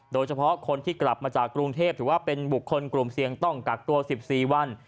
โดยเฉพาะคนที่กลับมาจากกรุงเทพถือว่าเป็นบุคคลกลุ่มเสี่ยงต้องกักตัว๑๔วัน